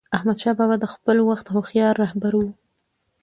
احمدشاه بابا د خپل وخت هوښیار رهبر و.